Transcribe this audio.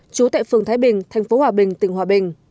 trú tại phường thái bình thành phố hòa bình tỉnh hòa bình